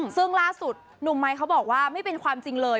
ซึ่งล่าสุดหนุ่มไมค์เขาบอกว่าไม่เป็นความจริงเลย